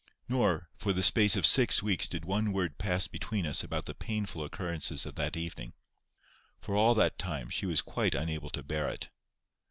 Nor, for the space of six weeks did one word pass between us about the painful occurrences of that evening. For all that time she was quite unable to bear it.